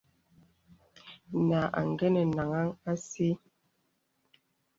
Nā āngənə́ naŋhàŋ así.